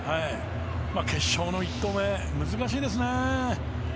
決勝の１投目、難しいですね。